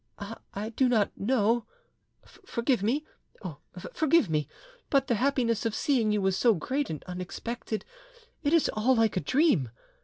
"I do not know—forgive me, oh! forgive me! ... But the happiness of seeing you was so great and unexpected, it is all like a dream.